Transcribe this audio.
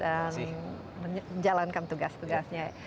dan menjalankan tugas tugasnya